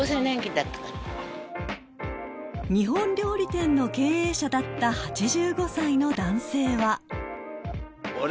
［日本料理店の経営者だった８５歳の男性は］